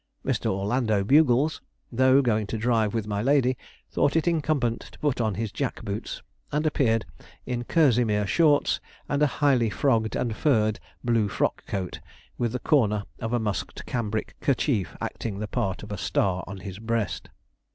Mr. Orlando Bugles, though going to drive with my lady, thought it incumbent to put on his jack boots, and appeared in kerseymere shorts, and a highly frogged and furred blue frock coat, with the corner of a musked cambric kerchief acting the part of a star on his breast.